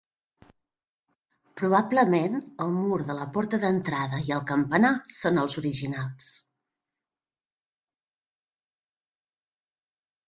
Probablement el mur de la porta d'entrada i el campanar són els originals.